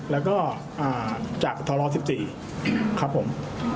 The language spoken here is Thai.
แล้วก็จากทะเลาะ๑๔ครับผม